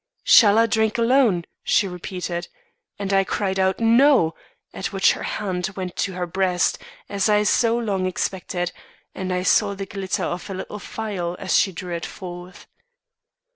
"'Shall I drink alone?' she repeated, and I cried out 'No'; at which her hand went to her breast, as I had so long expected, and I saw the glitter of a little phial as she drew it forth.